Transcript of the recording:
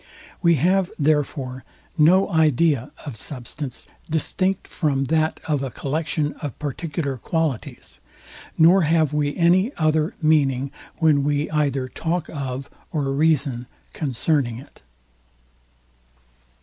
We have therefore no idea of substance, distinct from that of a collection of particular qualities, nor have we any other meaning when we either talk or reason concerning it.